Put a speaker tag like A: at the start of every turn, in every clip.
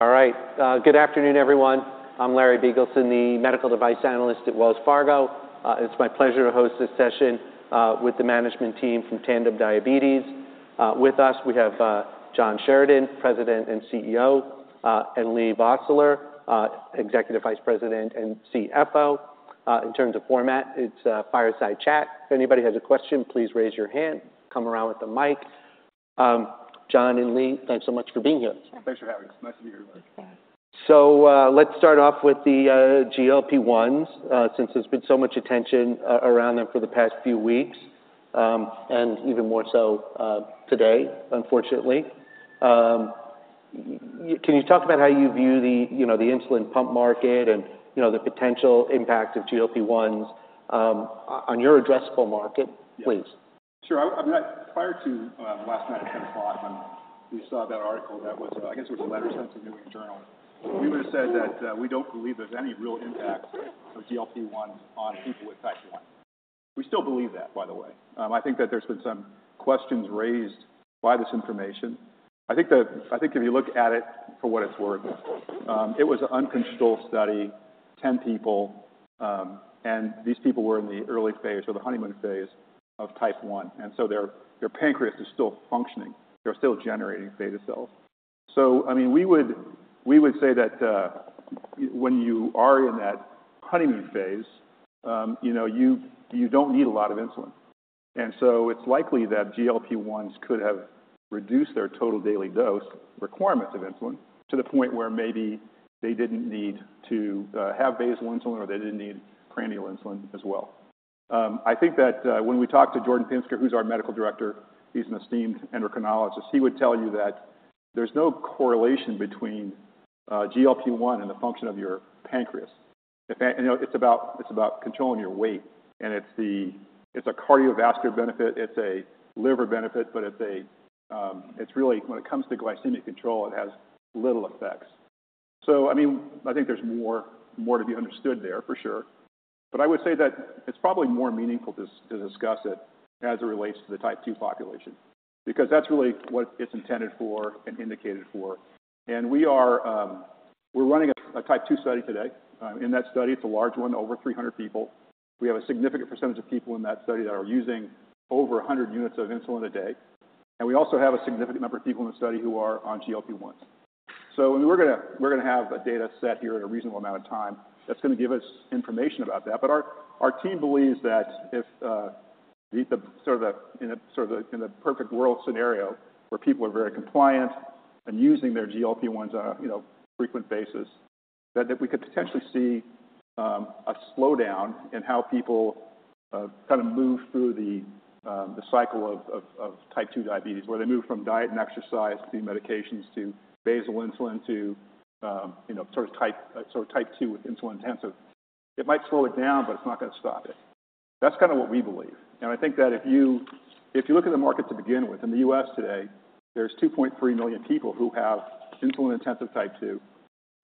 A: All right. Good afternoon, everyone. I'm Larry Biegelsen, the medical device analyst at Wells Fargo. It's my pleasure to host this session with the management team from Tandem Diabetes. With us, we have John Sheridan, President and CEO, and Leigh Vosseller, Executive Vice President and CFO. In terms of format, it's a fireside chat. If anybody has a question, please raise your hand. Come around with the mic. John and Leigh, thanks so much for being here.
B: Thanks for having us. Nice to be here, Larry.
C: Thanks.
A: So, let's start off with the GLP-1s. Since there's been so much attention around them for the past few weeks, and even more so, today, unfortunately. Can you talk about how you view the, you know, the insulin pump market and, you know, the potential impact of GLP-1s, on your addressable market, please?
B: Sure. I mean, prior to last night at 10:00, when we saw that article that was, I guess, it was a letter sent to The New England Journal, we would have said that we don't believe there's any real impact of GLP-1 on people with Type 1. We still believe that, by the way. I think that there's been some questions raised by this information. I think if you look at it for what it's worth, it was an uncontrolled study, 10 people, and these people were in the early phase or the honeymoon phase of Type 1, and their pancreas is still functioning. They're still generating beta cells. I mean, we would say that when you are in that honeymoon phase, you know, you don't need a lot of insulin. And so it's likely that GLP-1s could have reduced their total daily dose requirements of insulin to the point where maybe they didn't need to have basal insulin, or they didn't need prandial insulin as well. I think that when we talked to Jordan Pinsker, who's our medical director, he's an esteemed endocrinologist, he would tell you that there's no correlation between GLP-1 and the function of your pancreas. In fact, you know, it's about, it's about controlling your weight, and it's the-- it's a cardiovascular benefit, it's a liver benefit, but it's really when it comes to glycemic control, it has little effects. So I mean, I think there's more, more to be understood there for sure. But I would say that it's probably more meaningful to discuss it as it relates to the Type 2 population because that's really what it's intended for and indicated for. And we're running a Type 2 study today. In that study, it's a large one, over 300 people. We have a significant percentage of people in that study that are using over 100 units of insulin a day, and we also have a significant number of people in the study who are on GLP-1. So we're gonna have a dataset here in a reasonable amount of time that's gonna give us information about that. But our team believes that if in a sort of perfect world scenario where people are very compliant and using their GLP-1s on a, you know, frequent basis, that we could potentially see a slowdown in how people kind of move through the cycle of Type 2 diabetes, where they move from diet and exercise to medications to basal insulin to, you know, sort of Type... So Type 2 with insulin-intensive, it might slow it down, but it's not going to stop it. That's kind of what we believe, and I think that if you look at the market to begin with, in the U.S. today, there's 2.3 million people who have insulin-intensive Type 2,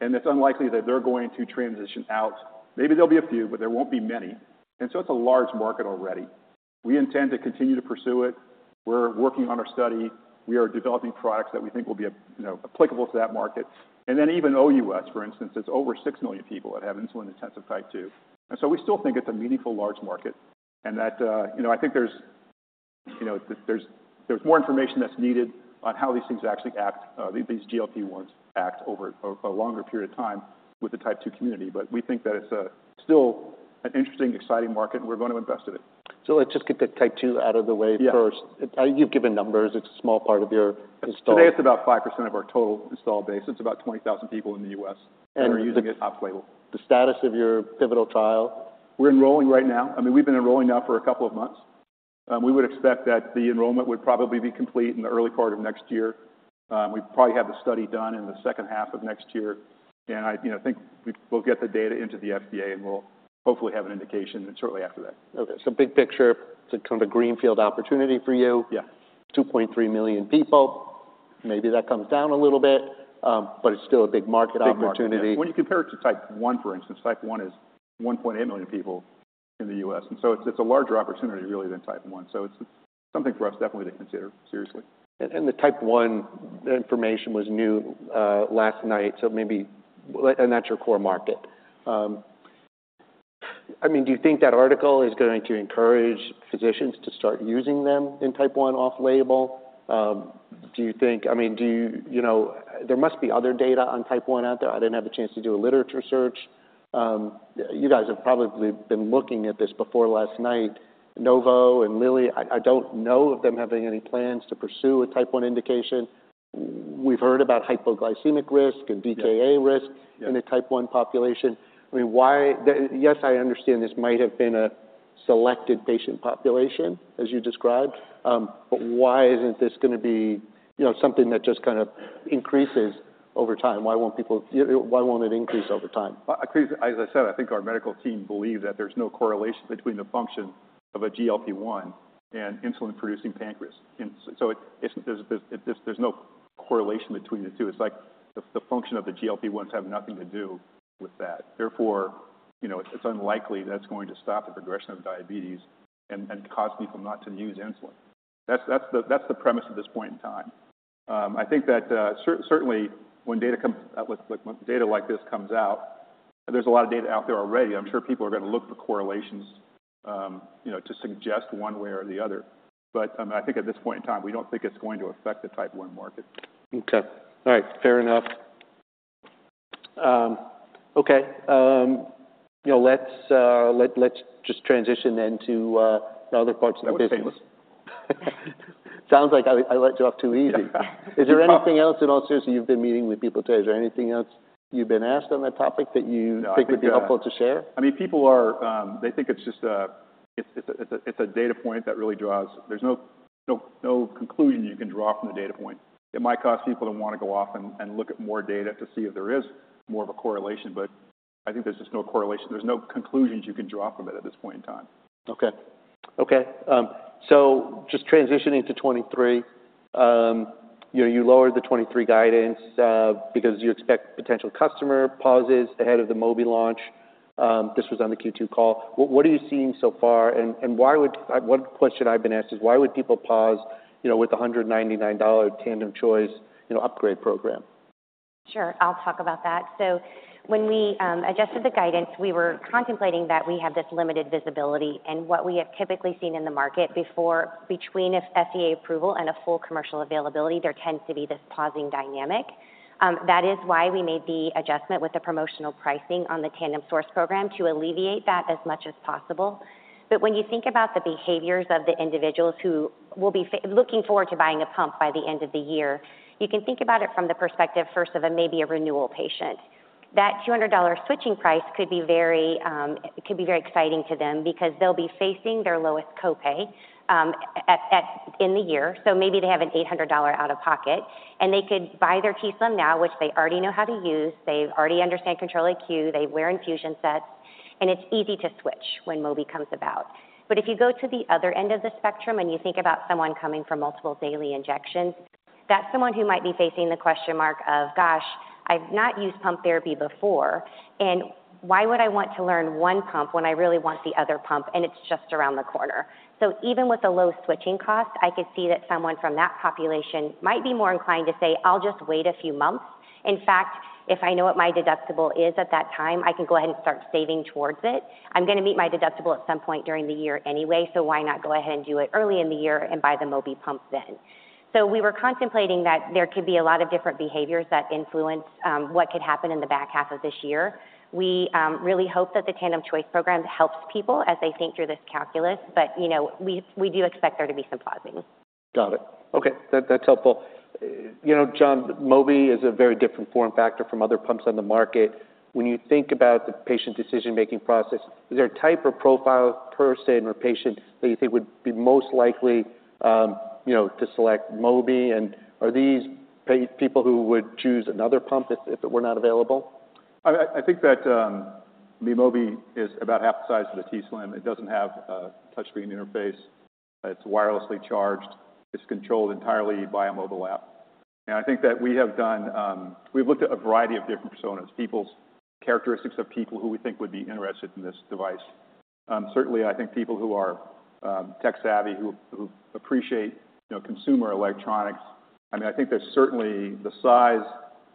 B: and it's unlikely that they're going to transition out. Maybe there'll be a few, but there won't be many, and so it's a large market already. We intend to continue to pursue it. We're working on our study. We are developing products that we think will be, you know, applicable to that market. And then even OUS, for instance, it's over 6 million people that have insulin-intensive Type 2. And so we still think it's a meaningful large market, and that, you know, I think there's, you know, there's more information that's needed on how these things actually act, these GLP-1s act over a longer period of time with the Type 2 community. But we think that it's still an interesting, exciting market, and we're going to invest in it.
A: Let's just get the Type 2 out of the way first.
B: Yeah.
A: You've given numbers. It's a small part of your install.
B: Today, it's about 5% of our total installed base. It's about 20,000 people in the U.S.-
A: And-
B: That are using it off-label.
A: The status of your pivotal trial?
B: We're enrolling right now. I mean, we've been enrolling now for a couple of months. We would expect that the enrollment would probably be complete in the early part of next year. We'd probably have the study done in the second half of next year, and I, you know, think we'll get the data into the FDA, and we'll hopefully have an indication shortly after that.
A: Okay. Big picture, it's kind of a greenfield opportunity for you.
B: Yeah.
A: 2.3 million people. Maybe that comes down a little bit, but it's still a big market opportunity.
B: Big market, yeah. When you compare it to Type 1, for instance, Type 1 is 1.8 million people in the U.S., and so it's, it's a larger opportunity really than Type 1. So it's something for us definitely to consider seriously.
A: And the Type 1, the information was new last night, so maybe... And that's your core market. I mean, do you think that article is going to encourage physicians to start using them in Type 1 off-label? Do you think... I mean, do you-- You know, there must be other data on Type 1 out there. I didn't have a chance to do a literature search. You guys have probably been looking at this before last night. Novo and Lilly, I, I don't know of them having any plans to pursue a Type 1 indication. We've heard about hypoglycemic risk and DKA risk-
B: Yeah...
A: in the Type 1 population. I mean, why? Yes, I understand this might have been a selected patient population, as you described, but why isn't this going to be, you know, something that just kind of increases over time? Why won't people... Why won't it increase over time?
B: Because as I said, I think our medical team believes that there's no correlation between the function of a GLP-1 and insulin-producing pancreas. And so it's, there's no correlation between the two. It's like the function of the GLP-1s have nothing to do with that. Therefore, you know, it's unlikely that's going to stop the progression of diabetes and cause people not to use insulin.... That's the premise at this point in time. I think that certainly, when data comes out, like, when data like this comes out, and there's a lot of data out there already, I'm sure people are going to look for correlations, you know, to suggest one way or the other. But I think at this point in time, we don't think it's going to affect the Type 1 market.
A: Okay. All right, fair enough. Okay, you know, let's just transition then to the other parts of the business.
B: That was painless.
A: Sounds like I let you off too easy.
B: Yeah.
A: Is there anything else... In all seriousness, you've been meeting with people today. Is there anything else you've been asked on that topic that you-
B: No, I think,
A: think would be helpful to share?
B: I mean, people are. They think it's just a data point that really draws. There's no conclusion you can draw from the data point. It might cause people to want to go off and look at more data to see if there is more of a correlation. But I think there's just no correlation. There's no conclusions you can draw from it at this point in time.
A: Okay. Okay, so just transitioning to 2023, you know, you lowered the 2023 guidance, because you expect potential customer pauses ahead of the Mobi launch. This was on the Q2 call. What, what are you seeing so far, and why would... One question I've been asked is, why would people pause, you know, with the $199 Tandem Choice, you know, upgrade program?
C: Sure. I'll talk about that. So when we adjusted the guidance, we were contemplating that we have this limited visibility. And what we have typically seen in the market before, between a FDA approval and a full commercial availability, there tends to be this pausing dynamic. That is why we made the adjustment with the promotional pricing on the Tandem Choice Program to alleviate that as much as possible. But when you think about the behaviors of the individuals who will be looking forward to buying a pump by the end of the year, you can think about it from the perspective first of maybe a renewal patient. That $200 switching price could be very exciting to them because they'll be facing their lowest copay at the end of the year. So maybe they have a $800 out-of-pocket, and they could buy their t:slim now, which they already know how to use. They already understand Control-IQ, they wear infusion sets, and it's easy to switch when Mobi comes about. But if you go to the other end of the spectrum, and you think about someone coming from multiple daily injections, that's someone who might be facing the question mark of, Gosh, I've not used pump therapy before, and why would I want to learn one pump when I really want the other pump and it's just around the corner? So even with a low switching cost, I could see that someone from that population might be more inclined to say, "I'll just wait a few months. In fact, if I know what my deductible is at that time, I can go ahead and start saving towards it. I'm going to meet my deductible at some point during the year anyway, so why not go ahead and do it early in the year and buy the Mobi pump then?" So we were contemplating that there could be a lot of different behaviors that influence what could happen in the back half of this year. We really hope that the Tandem Choice Program helps people as they think through this calculus, but, you know, we, we do expect there to be some pausing.
A: Got it. Okay, that's helpful. You know, John, Mobi is a very different form factor from other pumps on the market. When you think about the patient decision-making process, is there a type or profile person or patient that you think would be most likely, you know, to select Mobi? And are these people who would choose another pump if it were not available?
B: I think that the Mobi is about half the size of the t:slim. It doesn't have a touchscreen interface. It's wirelessly charged. It's controlled entirely by a mobile app. And I think that we have done... We've looked at a variety of different personas, people's characteristics of people who we think would be interested in this device. Certainly, I think people who are tech-savvy, who appreciate, you know, consumer electronics. I mean, I think there's certainly the size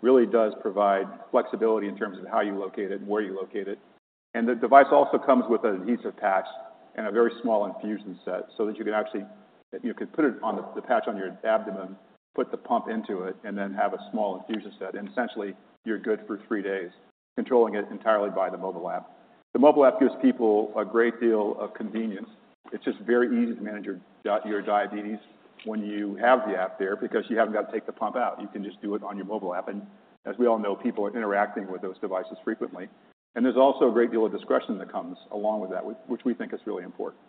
B: really does provide flexibility in terms of how you locate it and where you locate it. The device also comes with an adhesive patch and a very small infusion set so that you can actually put it on the patch on your abdomen, put the pump into it, and then have a small infusion set, and essentially, you're good for three days, controlling it entirely by the mobile app. The mobile app gives people a great deal of convenience. It's just very easy to manage your diabetes when you have the app there because you haven't got to take the pump out. You can just do it on your mobile app. And as we all know, people are interacting with those devices frequently. And there's also a great deal of discretion that comes along with that, which we think is really important.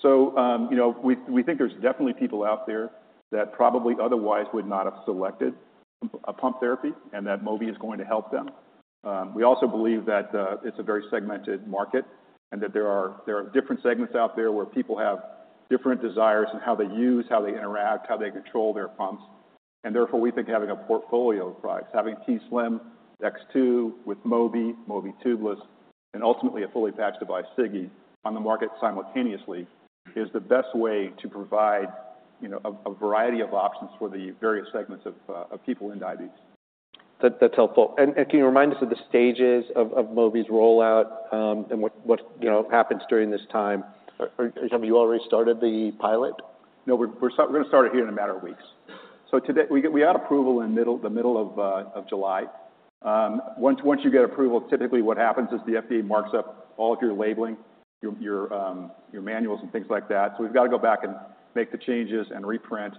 B: So, you know, we, we think there's definitely people out there that probably otherwise would not have selected a pump therapy and that Mobi is going to help them. We also believe that it's a very segmented market and that there are, there are different segments out there, where people have different desires in how they use, how they interact, how they control their pumps. And therefore, we think having a portfolio of products, having t:slim X2 with Mobi, Mobi Tubeless, and ultimately a fully patched device, Sigi, on the market simultaneously, is the best way to provide, you know, a variety of options for the various segments of people in diabetes.
A: That, that's helpful. And can you remind us of the stages of Mobi's rollout, and what, you know, happens during this time? Or have you already started the pilot?
B: No, we're gonna start it here in a matter of weeks. So today, we got approval in the middle of July. Once you get approval, typically what happens is the FDA marks up all of your labeling, your manuals and things like that. So we've got to go back and make the changes and reprint.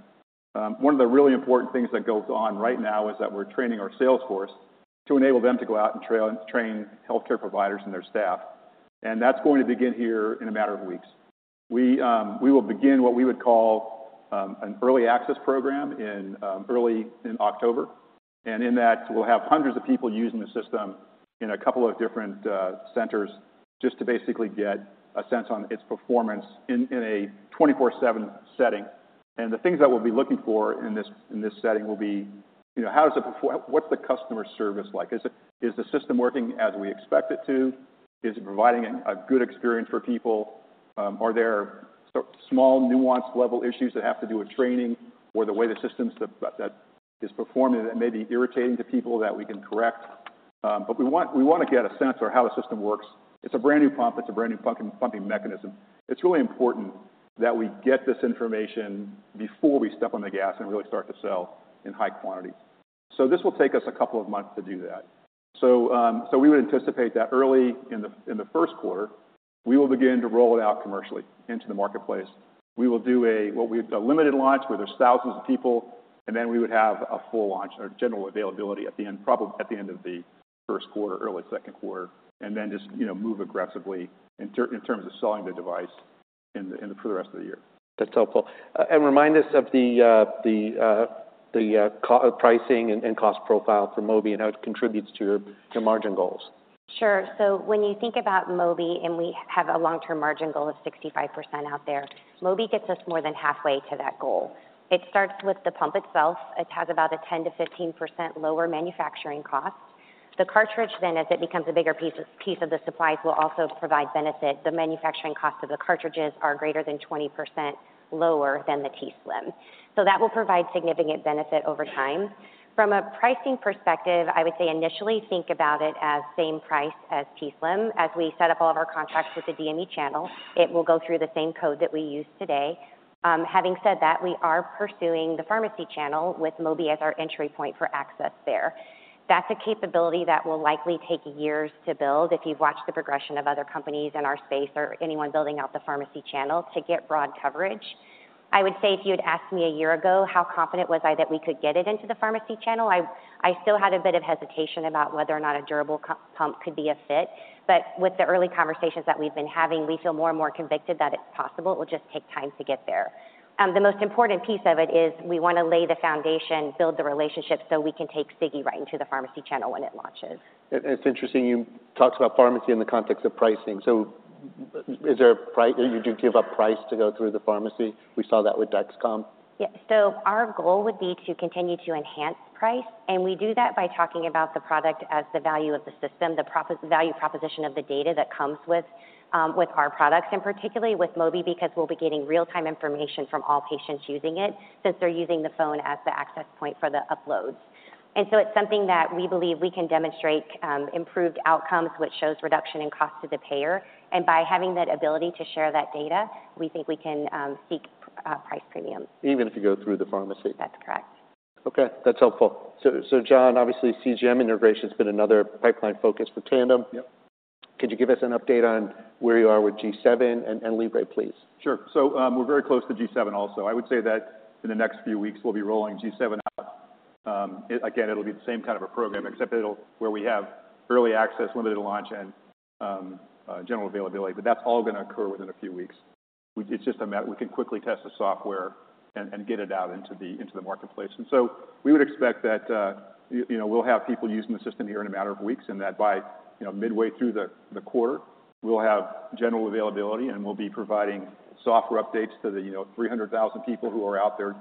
B: One of the really important things that goes on right now is that we're training our sales force to enable them to go out and train healthcare providers and their staff. And that's going to begin here in a matter of weeks. We will begin what we would call an early access program in early October. And in that, we'll have hundreds of people using the system in a couple of different centers just to basically get a sense on its performance in a 24/7 setting. And the things that we'll be looking for in this, in this setting will be: You know, how does it perform? What's the customer service like? Is it, is the system working as we expect it to? Is it providing a good experience for people? Are there small nuance level issues that have to do with training or the way the systems, the, that is performing that may be irritating to people that we can correct? But we want, we want to get a sense for how the system works. It's a brand-new pump. It's a brand-new pumping, pumping mechanism. It's really important that we get this information before we step on the gas and really start to sell in high quantity. So this will take us a couple of months to do that. So we would anticipate that early in the first quarter, we will begin to roll it out commercially into the marketplace. We will do a limited launch, where there's thousands of people, and then we would have a full launch or general availability at the end, probably at the end of the first quarter, early second quarter, and then just, you know, move aggressively in terms of selling the device in the for the rest of the year.
A: That's helpful. And remind us of the pricing and cost profile for Mobi and how it contributes to your margin goals.
C: Sure. So when you think about Mobi, and we have a long-term margin goal of 65% out there, Mobi gets us more than halfway to that goal. It starts with the pump itself. It has about a 10%-15% lower manufacturing cost. The cartridge then, as it becomes a bigger piece of the supplies, will also provide benefit. The manufacturing cost of the cartridges are greater than 20% lower than the t:slim. So that will provide significant benefit over time. From a pricing perspective, I would say initially think about it as same price as t:slim. As we set up all of our contracts with the DME channel, it will go through the same code that we use today. Having said that, we are pursuing the pharmacy channel with Mobi as our entry point for access there. That's a capability that will likely take years to build, if you've watched the progression of other companies in our space or anyone building out the pharmacy channel to get broad coverage. I would say if you'd asked me a year ago, how confident was I that we could get it into the pharmacy channel, I, I still had a bit of hesitation about whether or not a durable pump could be a fit. But with the early conversations that we've been having, we feel more and more convicted that it's possible. It will just take time to get there. The most important piece of it is we want to lay the foundation, build the relationship, so we can take Sigi right into the pharmacy channel when it launches.
A: It's interesting, you talked about pharmacy in the context of pricing. So is there a price... Did you give up price to go through the pharmacy? We saw that with Dexcom.
C: Yeah. So our goal would be to continue to enhance price, and we do that by talking about the product as the value of the system, the value proposition of the data that comes with, with our products, and particularly with Mobi, because we'll be getting real-time information from all patients using it, since they're using the phone as the access point for the uploads. And so it's something that we believe we can demonstrate improved outcomes, which shows reduction in cost to the payer. And by having that ability to share that data, we think we can seek price premium.
A: Even if you go through the pharmacy?
C: That's correct.
A: Okay, that's helpful. So, John, obviously, CGM integration has been another pipeline focus for Tandem.
B: Yep.
A: Could you give us an update on where you are with G7 and Libre, please?
B: Sure. So, we're very close to G7 also. I would say that in the next few weeks, we'll be rolling G7 out. It—again, it'll be the same kind of a program, except it'll, where we have early access, limited launch, and, general availability, but that's all going to occur within a few weeks. It's just a matter... We can quickly test the software and, and get it out into the, into the marketplace. And so we would expect that, you, you know, we'll have people using the system here in a matter of weeks, and that by, you know, midway through the, the quarter, we'll have general availability, and we'll be providing software updates to the, you know, 300,000 people who are out there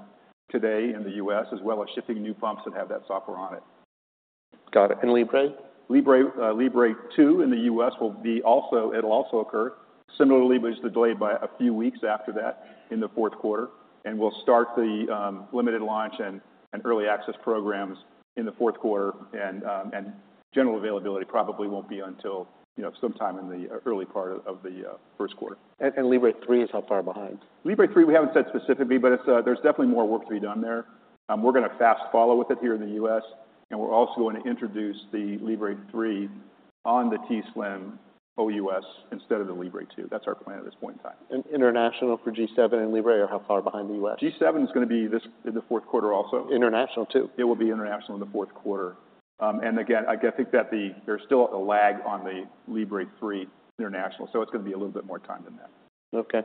B: today in the U.S., as well as shipping new pumps that have that software on it.
A: Got it. And Libre?
B: Libre, Libre 2 in the U.S. will be also, it'll also occur similarly, but it's delayed by a few weeks after that in the fourth quarter. We'll start the limited launch and early access programs in the fourth quarter. General availability probably won't be until, you know, sometime in the early part of the first quarter.
A: Libre 3 is how far behind?
B: Libre 3, we haven't said specifically, but it's, there's definitely more work to be done there. We're going to fast follow with it here in the U.S., and we're also going to introduce the Libre 3 on the t:slim OUS instead of the Libre 2. That's our plan at this point in time.
A: International for G7 and Libre are how far behind the U.S.?
B: G7 is going to be this, in the fourth quarter also.
A: International, too?
B: It will be international in the fourth quarter. And again, I think that there's still a lag on the Libre 3 international, so it's going to be a little bit more time than that.
A: Okay.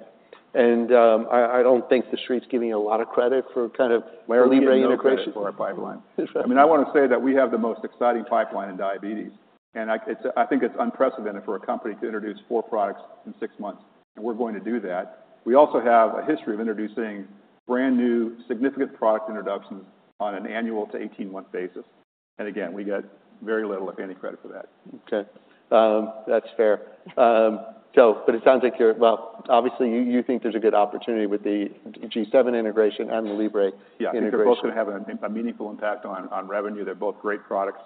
A: I don't think the Street's giving you a lot of credit for kind of Libre integration.
B: We're getting no credit for our pipeline. I mean, I want to say that we have the most exciting pipeline in diabetes, and I, it's, I think it's unprecedented for a company to introduce 4 products in 6 months, and we're going to do that. We also have a history of introducing brand-new, significant product introductions on an annual to 18-month basis. Again, we get very little, if any, credit for that.
A: Okay. That's fair. So but it sounds like you're-- well, obviously, you, you think there's a good opportunity with the G7 integration and the Libre integration.
B: Yeah, I think they're both going to have a meaningful impact on revenue. They're both great products,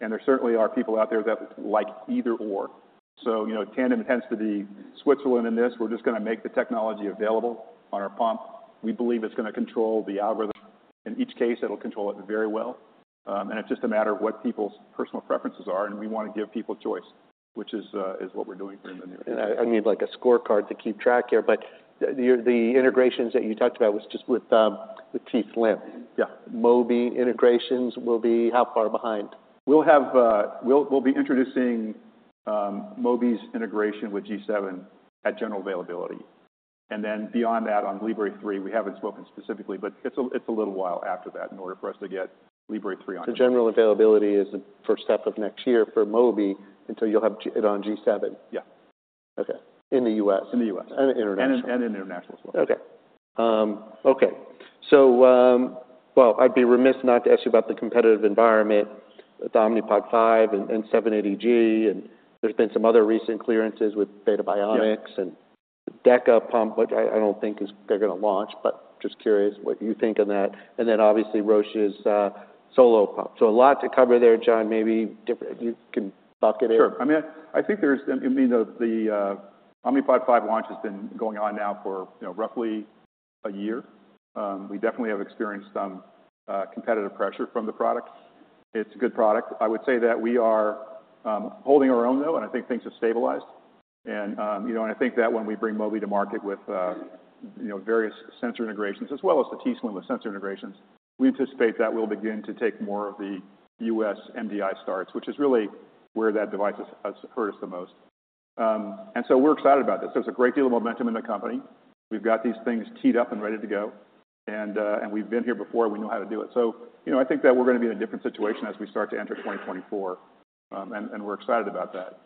B: and there certainly are people out there that like either/or. So, you know, Tandem tends to be Switzerland in this. We're just going to make the technology available on our pump. We believe it's going to control the algorithm. In each case, it'll control it very well, and it's just a matter of what people's personal preferences are, and we want to give people choice, which is what we're doing for them in the future.
A: I need, like, a scorecard to keep track here, but your integrations that you talked about was just with the t:slim.
B: Yeah.
A: Mobi integrations will be how far behind?
B: We'll have, we'll be introducing Mobi's integration with G7 at general availability. And then beyond that, on Libre 3, we haven't spoken specifically, but it's a little while after that in order for us to get Libre 3 on.
A: The general availability is the first half of next year for Mobi, until you'll have it on G7?
B: Yeah.
A: Okay. In the U.S.?
B: In the U.S.
A: And international.
B: And in international as well.
A: Okay. Okay, so, well, I'd be remiss not to ask you about the competitive environment with Omnipod 5 and, and 780G, and there's been some other recent clearances with Beta Bionics-
B: Yeah
A: And DEKA Pump, which I, I don't think is, they're going to launch, but just curious what you think on that. And then obviously, Roche's Solo Pump. So a lot to cover there, John. Maybe different - you can bucket it.
B: Sure. I mean, I think there's, I mean, the Omnipod 5 launch has been going on now for, you know, roughly a year. We definitely have experienced some competitive pressure from the product. It's a good product. I would say that we are holding our own though, and I think things have stabilized. And, you know, and I think that when we bring Mobi to market with, you know, various sensor integrations as well as the t:slim with sensor integrations, we anticipate that we'll begin to take more of the U.S. MDI starts, which is really where that device has hurt us the most. And so we're excited about this. There's a great deal of momentum in the company. We've got these things teed up and ready to go, and we've been here before, we know how to do it. So, you know, I think that we're going to be in a different situation as we start to enter 2024, and we're excited about that.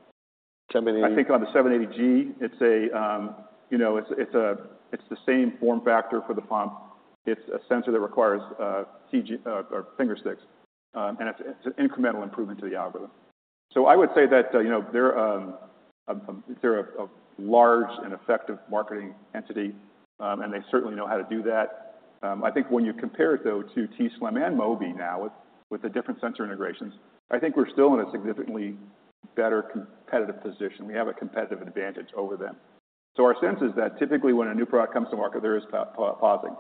A: 780-
B: I think on the MiniMed 780G, it's a, you know, it's the same form factor for the pump. It's a sensor that requires CGM or finger sticks, and it's an incremental improvement to the algorithm. So I would say that, you know, they're a large and effective marketing entity, and they certainly know how to do that. I think when you compare it though to t:slim and Mobi now with the different sensor integrations, I think we're still in a significantly better competitive position. We have a competitive advantage over them. So our sense is that typically when a new product comes to market, there is pausing.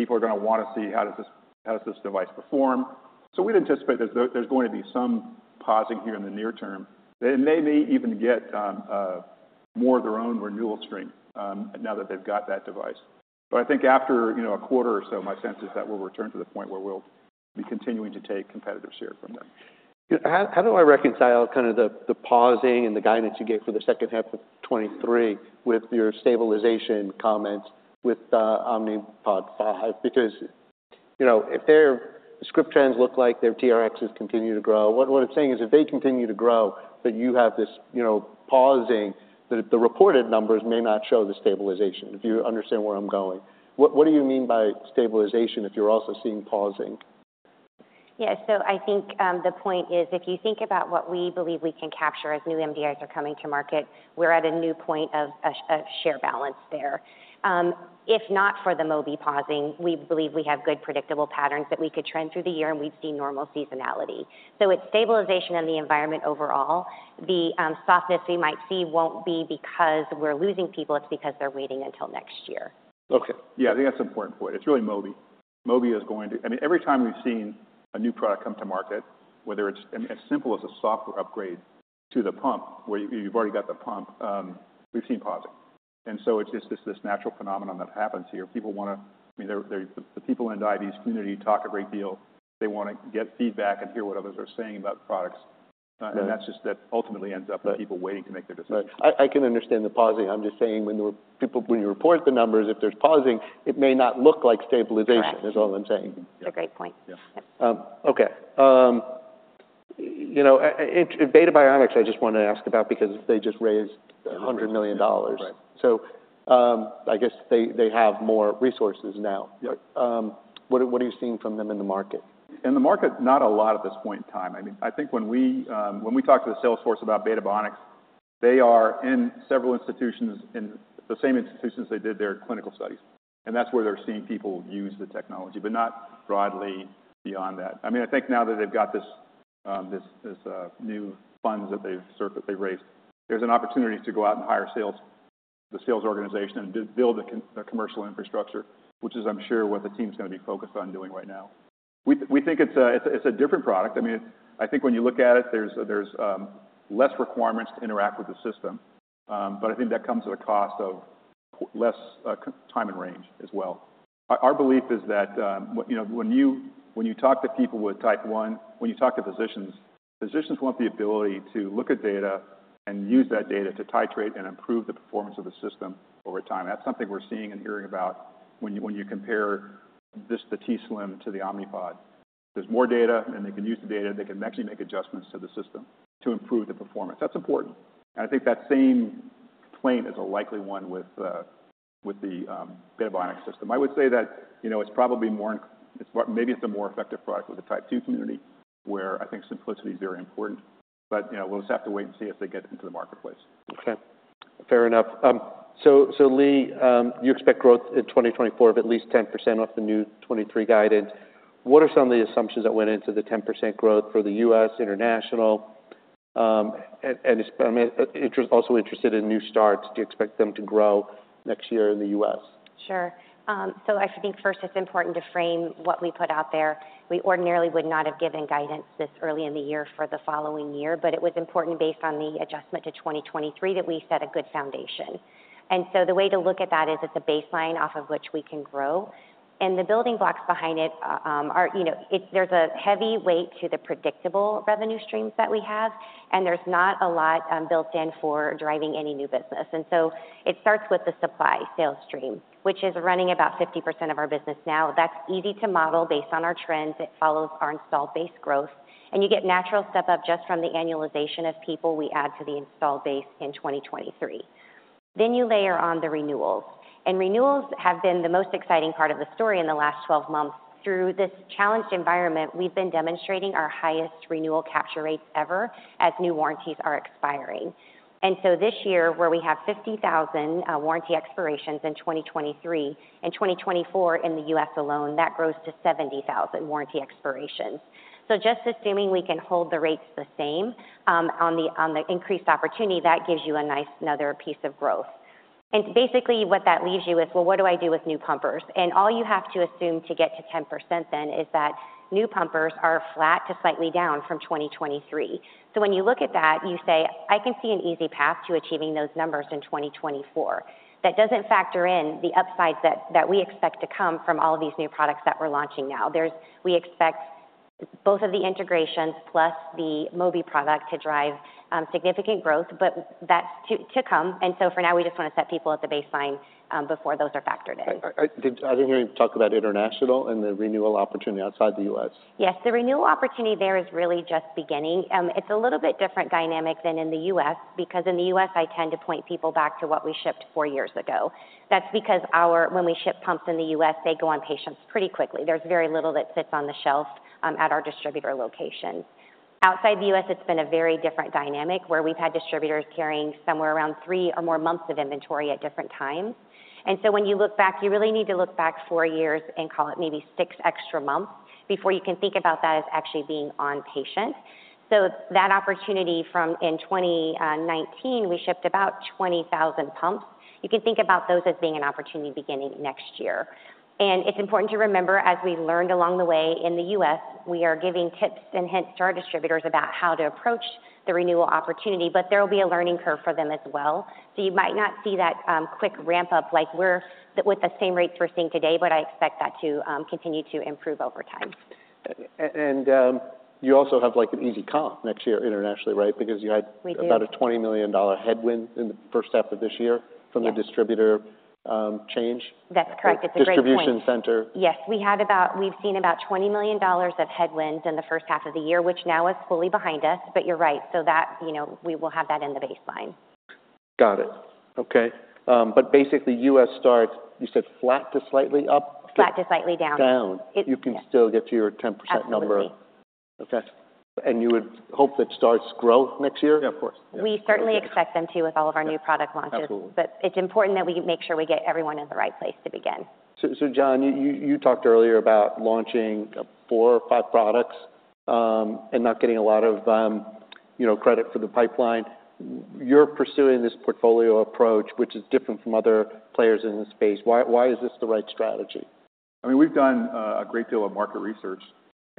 B: People are going to want to see how does this—how does this device perform? So we'd anticipate there's going to be some pausing here in the near term. They may even get more of their own renewal stream now that they've got that device. But I think after, you know, a quarter or so, my sense is that we'll return to the point where we'll be continuing to take competitive share from them.
A: How do I reconcile kind of the pausing and the guidance you gave for the second half of 2023 with your stabilization comments with Omnipod 5? Because, you know, if their script trends look like their TRXs continue to grow, what I'm saying is if they continue to grow, but you have this, you know, pausing, the reported numbers may not show the stabilization. If you understand where I'm going. What do you mean by stabilization if you're also seeing pausing?
C: Yeah. So I think, the point is, if you think about what we believe we can capture as new MDIs are coming to market, we're at a new point of a, a share balance there. If not for the Mobi pausing, we believe we have good predictable patterns that we could trend through the year, and we've seen normal seasonality. So it's stabilization of the environment overall. The, softness we might see won't be because we're losing people, it's because they're waiting until next year.
B: Okay. Yeah, I think that's an important point. It's really Mobi. Mobi is going to... I mean, every time we've seen a new product come to market, whether it's as simple as a software upgrade to the pump, where you've already got the pump, we've seen pausing. And so it's just this, this natural phenomenon that happens here. People want to-- I mean, they're... The people in the diabetes community talk a great deal. They want to get feedback and hear what others are saying about the products.
A: Yeah.
B: And that's just that ultimately ends up with-
A: Right
B: people waiting to make their decision.
A: I can understand the pausing. I'm just saying when you report the numbers, if there's pausing, it may not look like stabilization.
C: Correct.
A: Is all I'm saying.
C: It's a great point.
A: Yeah.
C: Yep.
A: Okay. You know, Beta Bionics, I just want to ask about because they just raised $100 million.
B: Right.
A: I guess they have more resources now.
B: Yep.
A: What are you seeing from them in the market?
B: In the market, not a lot at this point in time. I mean, I think when we talk to the sales force about Beta Bionics, they are in several institutions, in the same institutions they did their clinical studies. And that's where they're seeing people use the technology, but not broadly beyond that. I mean, I think now that they've got this new funds that they've raised, there's an opportunity to go out and hire sales, the sales organization, and build a commercial infrastructure, which is, I'm sure, what the team's going to be focused on doing right now. We think it's a different product. I mean, I think when you look at it, there's less requirements to interact with the system. But I think that comes at a cost of less Time in Range as well. Our belief is that, you know, when you talk to people with Type 1, when you talk to physicians, physicians want the ability to look at data and use that data to titrate and improve the performance of the system over time. That's something we're seeing and hearing about when you compare the t:slim to the Omnipod. There's more data, and they can use the data. They can actually make adjustments to the system to improve the performance. That's important, and I think that same claim is a likely one with the Beta Bionics system. I would say that, you know, it's probably more in... It's perhaps, maybe it's a more effective product with the Type 2 community, where I think simplicity is very important. But, you know, we'll just have to wait and see as they get into the marketplace.
A: Okay, fair enough. So Leigh, you expect growth in 2024 of at least 10% off the new 2023 guidance. What are some of the assumptions that went into the 10% growth for the U.S., international? I mean, also interested in new starts. Do you expect them to grow next year in the U.S.?
C: Sure. So I think first it's important to frame what we put out there. We ordinarily would not have given guidance this early in the year for the following year, but it was important based on the adjustment to 2023, that we set a good foundation. So the way to look at that is it's a baseline off of which we can grow. The building blocks behind it are, you know, it's. There's a heavy weight to the predictable revenue streams that we have, and there's not a lot built in for driving any new business. So it starts with the supply sales stream, which is running about 50% of our business now. That's easy to model based on our trends. It follows our installed base growth, and you get natural step up just from the annualization of people we add to the installed base in 2023. Then you layer on the renewals, and renewals have been the most exciting part of the story in the last 12 months. Through this challenged environment, we've been demonstrating our highest renewal capture rates ever as new warranties are expiring. And so this year, where we have 50,000 warranty expirations in 2023, in 2024 in the U.S. alone, that grows to 70,000 warranty expirations. So just assuming we can hold the rates the same, on the increased opportunity, that gives you a nice, another piece of growth. And basically, what that leaves you with, well, what do I do with new pumpers? All you have to assume to get to 10% then is that new pumpers are flat to slightly down from 2023. When you look at that, you say, "I can see an easy path to achieving those numbers in 2024." That doesn't factor in the upsides that we expect to come from all of these new products that we're launching now. We expect both of the integrations plus the Mobi product to drive significant growth, but that's to come, and so for now, we just want to set people at the baseline before those are factored in.
A: I didn't hear you talk about international and the renewal opportunity outside the U.S.
C: Yes. The renewal opportunity there is really just beginning. It's a little bit different dynamic than in the U.S. because in the U.S., I tend to point people back to what we shipped four years ago. That's because when we ship pumps in the U.S., they go on patients pretty quickly. There's very little that sits on the shelf at our distributor locations. Outside the U.S., it's been a very different dynamic, where we've had distributors carrying somewhere around three or more months of inventory at different times. And so when you look back, you really need to look back four years and call it maybe six extra months before you can think about that as actually being on patient. So that opportunity from in 2019, we shipped about 20,000 pumps. You can think about those as being an opportunity beginning next year. It's important to remember, as we learned along the way in the U.S., we are giving tips and hints to our distributors about how to approach the renewal opportunity, but there will be a learning curve for them as well. So you might not see that quick ramp up like we're... With the same rates we're seeing today, but I expect that to continue to improve over time.
A: You also have, like, an easy comp next year internationally, right? Because you had-
C: We do.
A: - about a $20 million headwind in the first half of this year-
C: Yes.
A: - from the distributor, change.
C: That's correct. It's a great point.
A: Distribution center.
C: Yes, we've seen about $20 million of headwind in the first half of the year, which now is fully behind us. But you're right, so that, you know, we will have that in the baseline.
A: Got it. Okay. But basically, U.S. starts, you said flat to slightly up?
C: Flat to slightly down.
A: Down.
C: It-
A: You can still get to your 10% number.
C: Absolutely.
A: Okay. And you would hope that starts growth next year?
B: Yeah, of course.
C: We certainly expect them to, with all of our new product launches.
B: Absolutely.
C: It's important that we make sure we get everyone in the right place to begin.
A: John, you talked earlier about launching 4 or 5 products and not getting a lot of, you know, credit for the pipeline. You're pursuing this portfolio approach, which is different from other players in the space. Why is this the right strategy?
B: I mean, we've done a great deal of market research,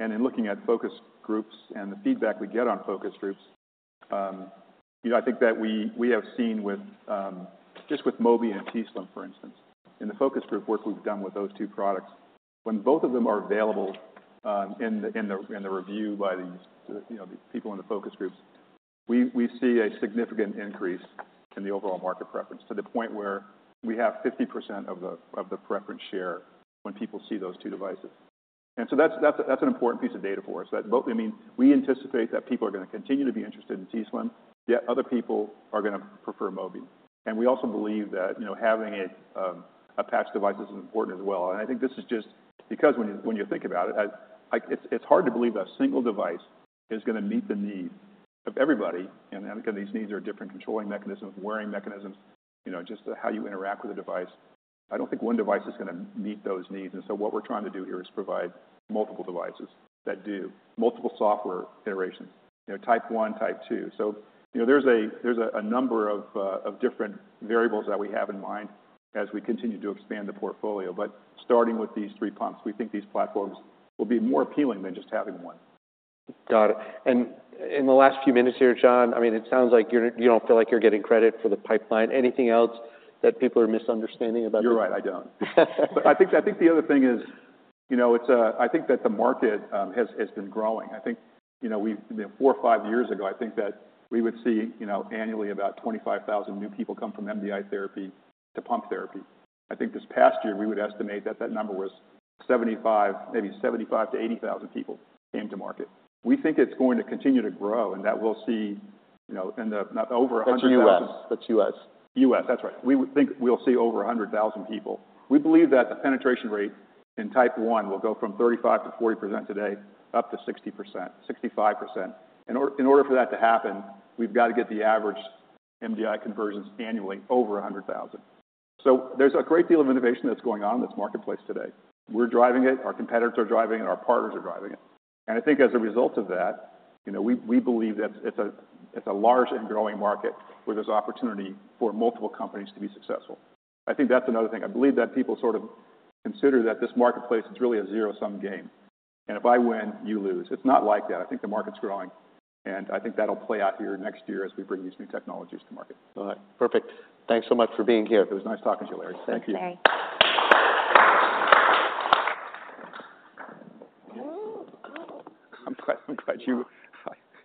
B: and in looking at focus groups and the feedback we get on focus groups, you know, I think that we have seen with just Mobi and t:slim, for instance, in the focus group work we've done with those two products, when both of them are available, in the review by these, you know, the people in the focus groups, we see a significant increase in the overall market preference to the point where we have 50% of the preference share when people see those two devices. And so that's an important piece of data for us. I mean, we anticipate that people are going to continue to be interested in t:slim, yet other people are going to prefer Mobi. We also believe that, you know, having a patch device is important as well. I think this is just because when you think about it, it's hard to believe that a single device is going to meet the needs of everybody. And again, these needs are different controlling mechanisms, wearing mechanisms, you know, just how you interact with a device. I don't think one device is going to meet those needs, and so what we're trying to do here is provide multiple devices that do multiple software iterations, you know, Type 1, Type 2. So, you know, there's a number of different variables that we have in mind as we continue to expand the portfolio. But starting with these three pumps, we think these platforms will be more appealing than just having one.
A: Got it. In the last few minutes here, John, I mean, it sounds like you're, you don't feel like you're getting credit for the pipeline. Anything else that people are misunderstanding about?
B: You're right, I don't. But I think, I think the other thing is, you know, it's... I think that the market has been growing. I think, you know, we've, you know, four or five years ago, I think that we would see, you know, annually, about 25,000 new people come from MDI therapy to pump therapy. I think this past year we would estimate that that number was 75, maybe 75-80,000 people into market. We think it's going to continue to grow and that we'll see, you know, in the over 100,000-
A: That's U.S. That's U.S.
B: U.S., that's right. We would think we'll see over 100,000 people. We believe that the penetration rate in Type 1 will go from 35%-40% today, up to 60%, 65%. In order for that to happen, we've got to get the average MDI conversions annually over 100,000. So there's a great deal of innovation that's going on in this marketplace today. We're driving it, our competitors are driving it, our partners are driving it. And I think as a result of that, you know, we, we believe that it's a, it's a large and growing market where there's opportunity for multiple companies to be successful. I think that's another thing. I believe that people sort of consider that this marketplace is really a zero-sum game, and if I win, you lose. It's not like that. I think the market's growing, and I think that'll play out here next year as we bring these new technologies to market.
A: All right. Perfect. Thanks so much for being here.
B: It was nice talking to you, Larry. Thank you.
C: Thanks.
B: I'm glad you...